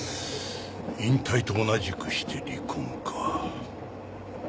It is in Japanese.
引退と同じくして離婚か。